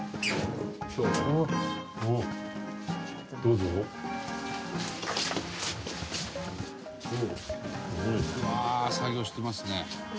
「うわー作業してますね」